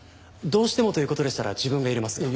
どうしてもという事でしたら自分が入れますが。